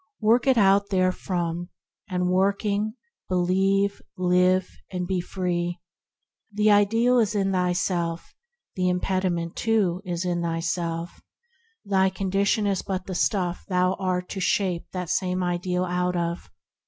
Work it out therefrom, and, working, believe, live, E.K. 8] 112 THE HEAVENLY LIFE be free. The Ideal is in thyself, the im pediment, too, is in thyself; thy condition is but the stuff thou art to shape that same Ideal out of.